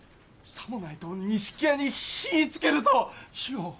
さもないと錦屋に火ぃつける」と。火を！？